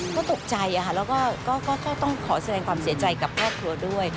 ก็ตกใจแล้วก็ต้องขอแสดงความเสียใจกับครอบครัวด้วย